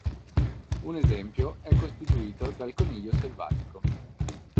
Un esempio è costituito dal coniglio selvatico.